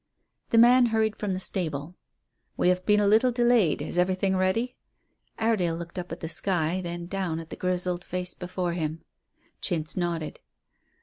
The man hurried from the stable. "We have been a little delayed. Is everything ready?" Iredale looked up at the sky, then down at the grizzled face before him. Chintz nodded.